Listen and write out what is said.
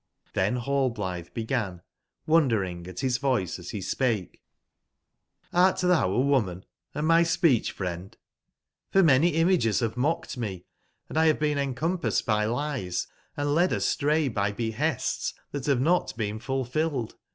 Hhen Rallblithe began, wondering at his voice as he spake: ''Hrt thou a wo I man and my speech/friend ? for many limages have mocked me, &1 have been en com passed Iby lies, and led astray by behests that have not been Tulfilled.